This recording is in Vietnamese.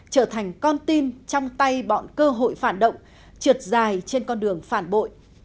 trở thành con tim trong tay bọn cơ hội phản động trượt dài trên con đường phản bội